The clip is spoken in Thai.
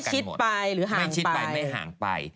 ไม่ใช่ชิดไปหรือห่างไปไม่ชิดไปไม่ห่างไป